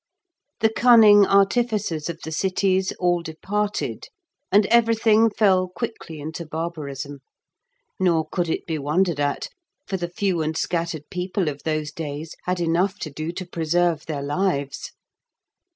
The cunning artificers of the cities all departed, and everything fell quickly into barbarism; nor could it be wondered at, for the few and scattered people of those days had enough to do to preserve their lives.